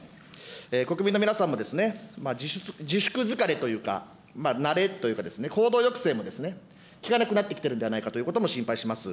国民の皆さんも自粛疲れというか、慣れというか、行動抑制も効かなくなってきてるんではないかということも心配します。